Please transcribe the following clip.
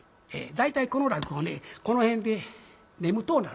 大体この落語ねこの辺で眠とうなるんです。